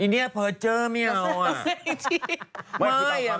อิเนี้ยเผอร์เจ้อไม่เอาอ่า